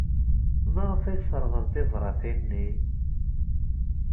Maɣef ay sserɣen tibṛatin-nni?